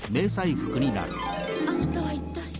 あなたは一体？